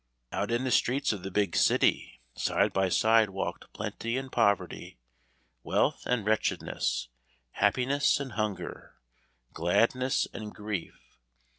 Out in the streets of the big city, side by side walked plenty and poverty, wealth and wretchedness, happiness and hunger, gladness and grief.